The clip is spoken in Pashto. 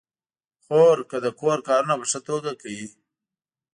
خور د کور کارونه په ښه توګه کوي.